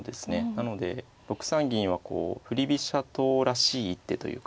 なので６三銀はこう振り飛車党らしい一手というか。